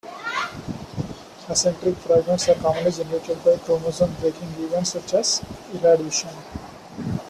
Acentric fragments are commonly generated by chromosome-breaking events, such as irradiation.